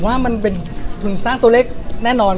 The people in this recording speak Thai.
ว่ามันเป็นทุนสร้างตัวเลขแน่นอน